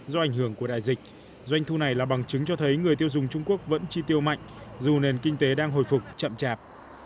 do ảnh hưởng của đại dịch doanh thu này là bằng chứng cho thấy người tiêu dùng trung quốc vẫn chi tiêu mạnh dù nền kinh tế đang hồi phục chậm chạp